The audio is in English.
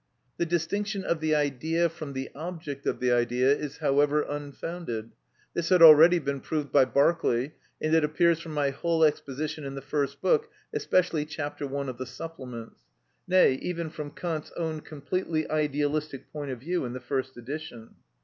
The distinction of the idea from the object of the idea is however unfounded; this had already been proved by Berkeley, and it appears from my whole exposition in the first book, especially chap. i. of the supplements; nay, even from Kant's own completely idealistic point of view in the first edition.